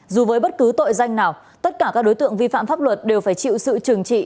dù với bất cứ tội danh nào tất cả các đối tượng vi phạm pháp luật đều phải chịu sự trừng trị